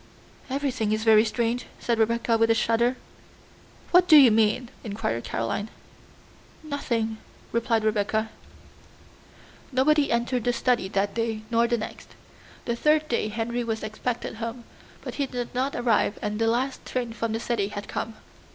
"Everything is very strange," said Rebecca with a shudder. "What do you mean?" inquired Caroline. "Nothing," replied Rebecca. Nobody entered the study that day, nor the next. The third day Henry was expected home, but he did not arrive and the last train from the city had come.